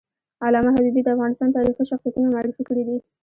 علامه حبیبي د افغانستان تاریخي شخصیتونه معرفي کړي دي.